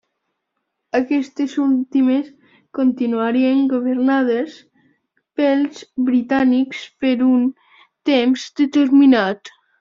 Aquestes últimes continuarien governades pels britànics per un temps determinat.